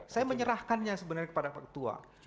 saya menyerahkannya sebenarnya kepada pak ketua